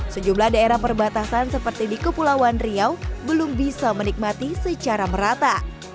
sejumlah daerah perbatasan seperti di kepulauan riau belum bisa menikmati secara merata